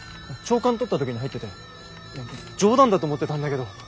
朝刊取った時に入ってて冗談だと思ってたんだけど。